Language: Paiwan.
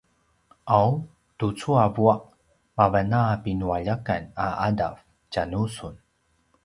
’aw tucu a vua’ mavan a pinualjakan a ’adav tjanusun